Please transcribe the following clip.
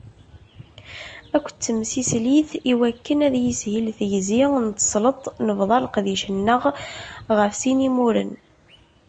Akked temsislit i wakken ad yishil tegzi n tesleḍt, nebḍa leqdic-nneɣ ɣef sin yimuren.